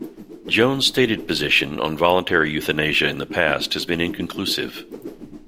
Jones's stated position on voluntary euthanasia in the past has been inconclusive.